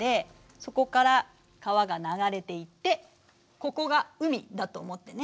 そこから川が流れていってここが海だと思ってね。